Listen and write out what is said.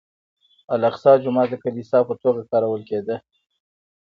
الاقصی جومات د کلیسا په توګه کارول کېده.